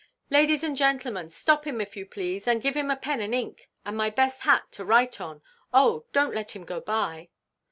"Ladies and gentlemen, stop him if you please, and give him a pen and ink, and my best hat to write on. Oh, donʼt let him go by."